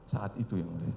saat itu yang mulia